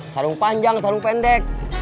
sarung panjang sarung pendek